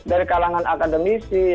dari kalangan akademisi